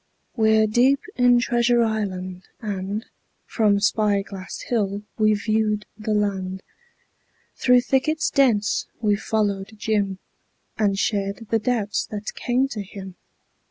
We're deep in Treasure Island, and From Spy Glass Hill we've viewed the land; Through thickets dense we've followed Jim And shared the doubts that came to him.